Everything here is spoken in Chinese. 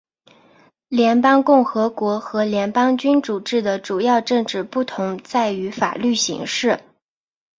联邦共和国和联邦君主制的主要政治不同在于法律形式。